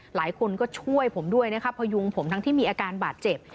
หลายคนก็ช่วยผมด้วยนะครับพยุงผมทั้งที่มีอาการบาดเจ็บ